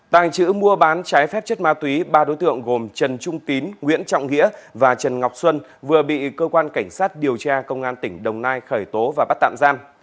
tàng trữ mua bán trái phép chất ma túy ba đối tượng gồm trần trung tín nguyễn trọng nghĩa và trần ngọc xuân vừa bị cơ quan cảnh sát điều tra công an tỉnh đồng nai khởi tố và bắt tạm giam